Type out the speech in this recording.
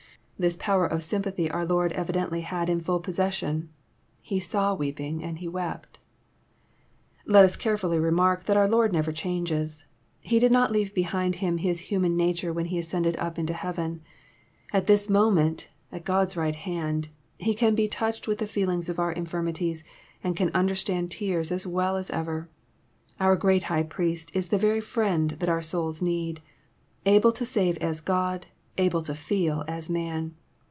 This power of sympathy our Lord evidently had in Aill possession. He saw weeping and He wept. Let us carefblly remark that our Lord never changes. He did DOC leave behind Him His human nature when He ascended up into heaven. At this moment, at God's right hand, He can be touched with the feeling of our infirmities, and can understand tears as well as ever. Our great High Priest is the very Friend that our souls need, able to save as God, able to feel as man.